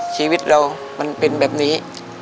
ชีวิตเรามันเป็นแบบนี้